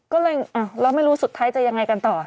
ก็เลยเราไม่รู้สุดท้ายจะยังไงกันต่อ